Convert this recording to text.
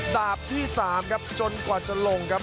ดาบที่๓ครับจนกว่าจะลงครับ